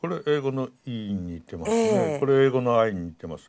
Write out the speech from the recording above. これ英語の「Ｉ」に似てます。